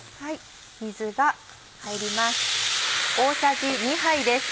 水が入ります。